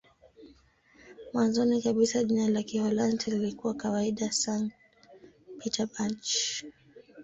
Mwanzoni kabisa jina la Kiholanzi lilikuwa kawaida "Sankt-Pieterburch".